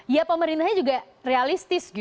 ya pemerintahnya juga realistis